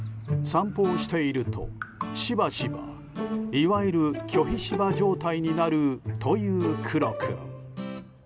散歩をしていると、しばしばいわゆる拒否柴状態になるというクロ君。